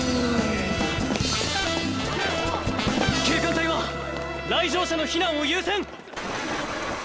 警官隊は来場者の避難を優先！